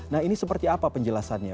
nah ini seperti apa penjelasannya